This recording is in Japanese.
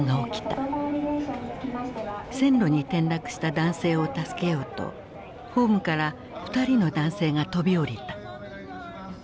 線路に転落した男性を助けようとホームから２人の男性が飛び降りた。